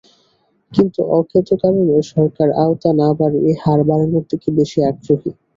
কিন্তু অজ্ঞাত কারণে সরকার আওতা না বাড়িয়ে হার বাড়ানোর দিকে বেশি আগ্রহী।